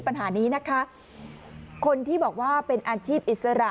ปัญหานี้นะคะคนที่บอกว่าเป็นอาชีพอิสระ